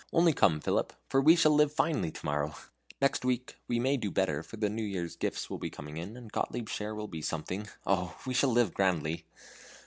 Only come, Philip, for we shall live finely to morrow! Next week we may do better, for the New Year's gifts will be coming in, and Gottlieb's share will be something! Oh! we shall live grandly."